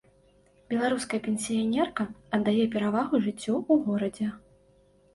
Беларуская пенсіянерка аддае перавагу жыццю ў горадзе.